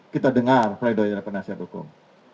kita dengar vledoy adalah penasihat hukum